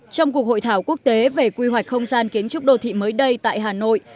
trong cuộc hội thảo quốc tế về quy hoạch không gian kiến trúc đô thị mới đây tại hà nội